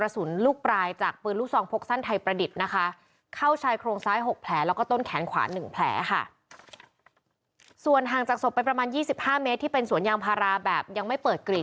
ส่วนห่างจากศพไปประมาณ๒๕เมตรที่เป็นสวนยางพาราแบบยังไม่เปิดกรีด